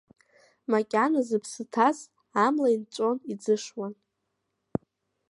Макьана зыԥсы ҭаз амла инҵәон, иӡышуан…